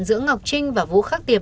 giữa ngọc trinh và vũ khắc tiệp